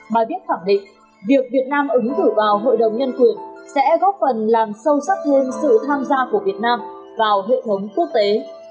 bài viết khẳng định việc việt nam ứng cử vào hội đồng nhân quyền sẽ góp phần làm sâu sắc thêm sự tham gia của việt nam vào hệ thống quốc tế